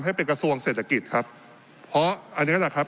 ให้เป็นกระทรวงเศรษฐกิจครับเพราะอันนี้แหละครับ